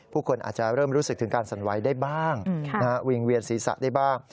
คนอาจจะเริ่มรู้สึกถึงการสั่นไหวได้บ้างวิ่งเวียนศีรษะได้บ้าง